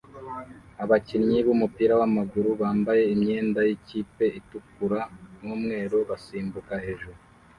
Abakinnyi bumupira wamaguru bambaye imyenda yikipe itukura numweru basimbuka hejuru